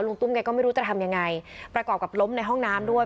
ตุ้มแกก็ไม่รู้จะทำยังไงประกอบกับล้มในห้องน้ำด้วย